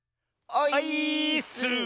オイーッス！